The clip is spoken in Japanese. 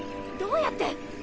どうやって！？